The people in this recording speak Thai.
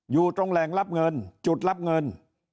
อยู่ตรงแหล่งรับเงินจุดรับเงิน